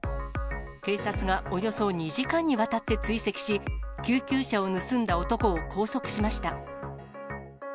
警察がおよそ２時間にわたって追跡し、救急車を盗んだ男を拘束しました。